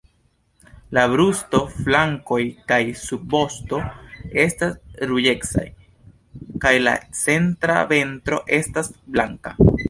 La brusto, flankoj kaj subvosto estas ruĝecaj, kaj la centra ventro estas blanka.